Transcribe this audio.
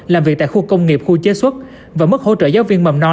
làm việc tại khu công nghiệp khu chế xuất và mức hỗ trợ giáo viên mầm non